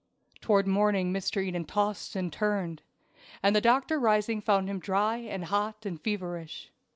Toward morning Mr. Eden tossed and turned, and the doctor rising found him dry and hot and feverish.